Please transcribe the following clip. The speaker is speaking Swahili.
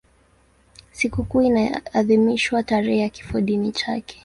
Sikukuu inaadhimishwa tarehe ya kifodini chake.